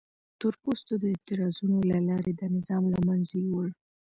تور پوستو د اعتراضونو له لارې دا نظام له منځه یووړ.